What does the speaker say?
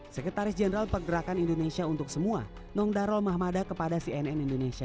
sekretaris jenderal pergerakan indonesia untuk semua nong darul mahmada kepada cnn indonesia